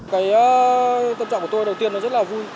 cái tâm trạng của tôi đầu tiên là rất là vui